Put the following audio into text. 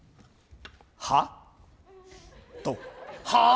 はあ？と。はあ？